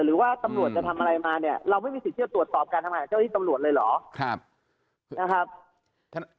หรือว่าตำรวจจะทำอะไรมาเนี่ยเราไม่มีสิทธิ์จะตรวจสอบการทำงานของเจ้าที่ตำรวจเลยเหรอนะครับ